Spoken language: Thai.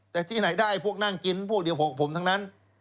แต่ที่ไหนได้พวกนั่งกินพวกเดียว๖ผมทั้งนั้น